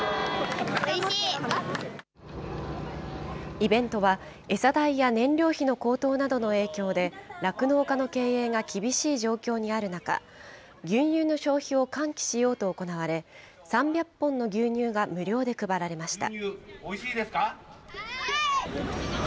イベントは、餌代や燃料費の高騰などの影響で、酪農家の経営が厳しい状況にある中、牛乳の消費を喚起しようと行われ、３００本の牛乳が無料で配られました。